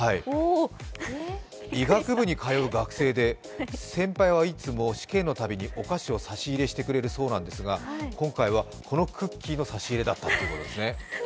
医学部に通う学生で、先輩はいつも試験のたびにお菓子を差し入れしてくれるそうなんですが今回は、このクッキーの差し入れだったそうなんですね。